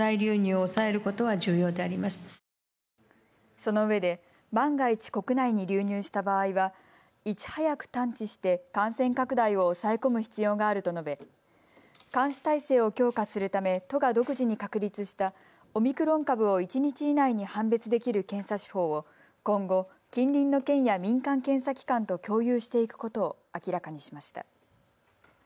そのうえで万が一、国内に流入した場合はいち早く探知して感染拡大を抑え込む必要があると述べ、監視体制を強化するため都が独自に確立したオミクロン株を一日以内に判別できる検査手法を今後、近隣の県や民間検査機関と共有していくことを明らかにしました。